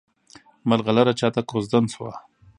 ملغلره چاته کوژدن شوه؟